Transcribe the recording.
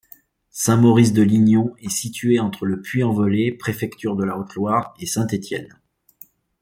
Saint-Maurice-de-Lignon est situé entre le Puy-en-Velay, préfecture de la Haute-Loire, et Saint-Étienne.